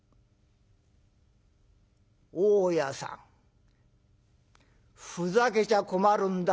「大家さんふざけちゃ困るんだ